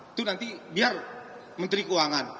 itu nanti biar menteri keuangan